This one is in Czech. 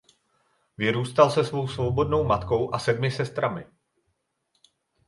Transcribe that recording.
Vyrůstal se svou svobodnou matkou a sedmi sestrami.